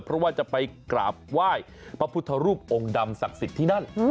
เพราะว่าจะไปกราบไหว้พระพุทธรูปองค์ดำศักดิ์สิทธิ์ที่นั่น